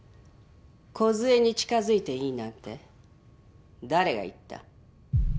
梢に近づいていいなんて誰が言った？